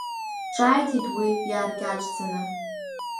Ҿааиҭит уи иааркьаҿӡаны.